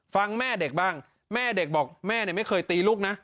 แม่เด็กบ้างแม่เด็กบอกแม่ไม่เคยตีลูกนะ